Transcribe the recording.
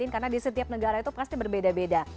karena di setiap negara itu pasti berbeda beda